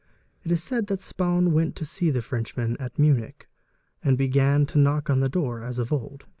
It is said that Spaun went to see the Frenchman at Munich and began to knock on the door as of old.